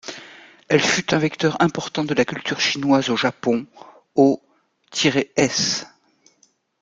Elle fut un vecteur important de la culture chinoise au Japon aux -s.